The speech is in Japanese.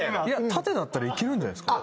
縦だったらいけるんじゃないですか？